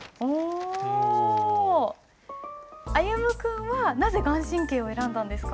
歩夢君はなぜ顔真を選んだんですか？